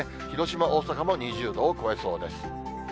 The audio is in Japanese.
広島、大阪も２０度を超えそうです。